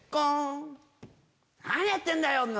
何やってんだよ！